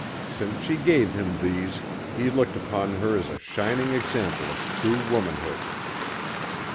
Since she gave him these he looked upon her as a shining example of true womanhood.